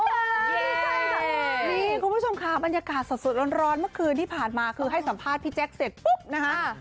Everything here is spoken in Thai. ดีใจค่ะนี่คุณผู้ชมค่ะบรรยากาศสดร้อนเมื่อคืนที่ผ่านมาคือให้สัมภาษณ์พี่แจ๊คเสร็จปุ๊บนะคะ